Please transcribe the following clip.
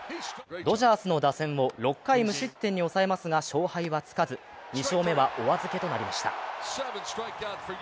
ドジャースの打線を６回無失点に抑えますが、勝敗はつかず、２勝目はお預けとなりました。